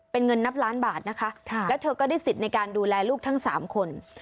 เป็นเงินนับล้านบาทนะคะแล้วเธอก็ได้สิทธิ์ในการดูแลลูกทั้ง๓คน